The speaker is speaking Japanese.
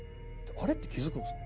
あれ？って気付くんですね。